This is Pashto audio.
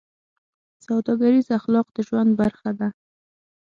سوداګریز اخلاق د ژوند برخه ده.